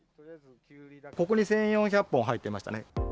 ここに１４００本入っていましたね。